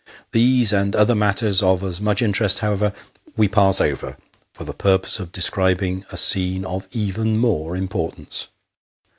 These, and other matters of as much interest, however, we pass over, for the purpose of describing a scene of even more importance.